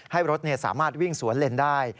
ให้รถสามารถวิ่งสวนเลนได้